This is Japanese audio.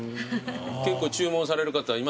結構注文される方います？